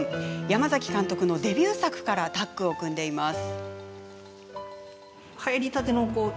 山崎監督のデビュー作からタッグを組んでいます。